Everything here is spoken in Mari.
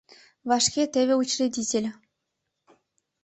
Вашке теве Учредитель...